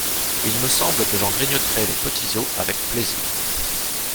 Il me semble que j’en grignoterais les petits os avec plaisir!